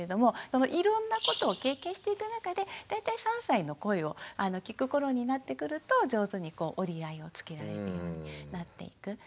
そのいろんなことを経験していく中で大体３歳の声を聞く頃になってくると上手に折り合いをつけられるようになっていく。